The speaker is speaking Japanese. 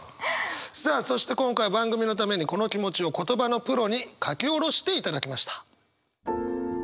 さあそして今回番組のためにこの気持ちを言葉のプロに書き下ろしていただきました。